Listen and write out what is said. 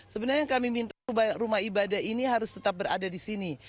sebenarnya yang kami minta rumah ibadah ini harus tetap berada di sini